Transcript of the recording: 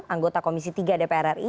anggota komisi tiga dpr ri